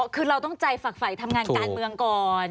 คือเราต้องใจฝักฝ่ายทำงานการเมืองก่อน